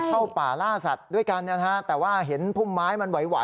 เข้าป่าล่าสัตว์ด้วยกันนะฮะแต่ว่าเห็นพุ่มไม้มันไหว